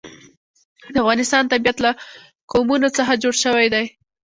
د افغانستان طبیعت له قومونه څخه جوړ شوی دی.